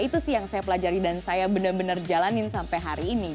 itu sih yang saya pelajari dan saya benar benar jalanin sampai hari ini